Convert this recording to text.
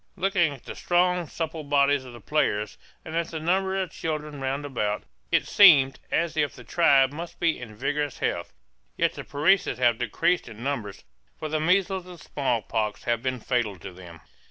Looking at the strong, supple bodies of the players, and at the number of children roundabout, it seemed as if the tribe must be in vigorous health; yet the Parecis have decreased in numbers, for measles and smallpox have been fatal to them.